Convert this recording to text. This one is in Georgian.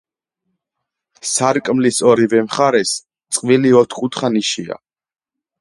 სარკმლის ორივე მხარეს წყვილი ოთკუთხა ნიშია.